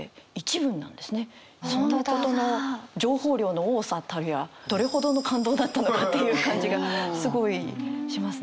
情報量の多さたるやどれほどの感動だったのかっていう感じがすごいしますね。